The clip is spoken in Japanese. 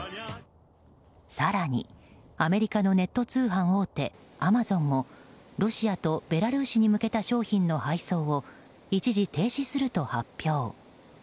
更に、アメリカのネット通販大手アマゾンもロシアとベラルーシに向けた商品の配送を一時停止すると発表。